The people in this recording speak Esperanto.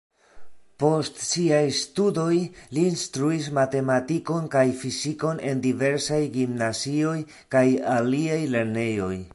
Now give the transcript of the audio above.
Post siaj studoj li instruis matematikon kaj fizikon en diversaj gimnazioj kaj aliaj lernejoj.